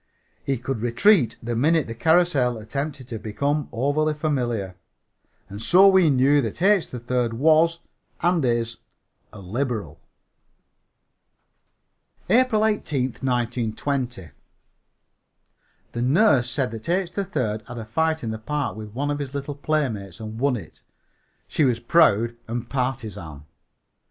He could retreat the minute the carrousel attempted to become overly familiar. And so we knew that H. 3rd was and is a liberal. APRIL 18, 1920. The nurse said that H. 3rd had a fight in the park with one of his little playmates and won it. She was proud and partisan.